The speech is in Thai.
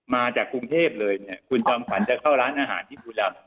มาจากกรุงเทพเลยเนี่ยคุณจอมขวัญจะเข้าร้านอาหารที่บุรีรำ